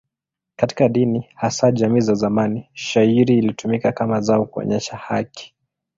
Katika dini, hasa jamii za zamani, shayiri ilitumika kama zao kuonyesha haki.